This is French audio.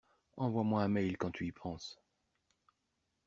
Envoie-moi un mail quand tu y penses.